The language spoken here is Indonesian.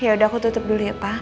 ya udah aku tutup dulu ya pak